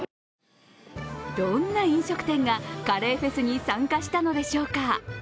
どんな飲食店がカレーフェスに参加したのでしょうか。